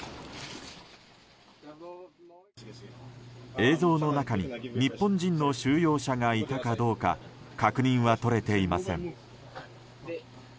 映像の中に日本人の収容者がいたかどうか確認はとれていません。